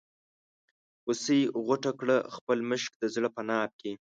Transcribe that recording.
هوسۍ غوټه کړه خپل مشک د زړه په ناف کې.